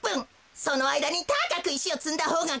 そのあいだにたかくいしをつんだほうがかちです！